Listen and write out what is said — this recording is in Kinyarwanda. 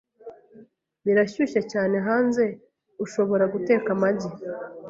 Birashyushye cyane hanze, ushobora guteka amagi.